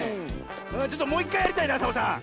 ちょっともういっかいやりたいなサボさん。